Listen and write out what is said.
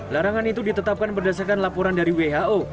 larangan itu ditetapkan berdasarkan laporan dari who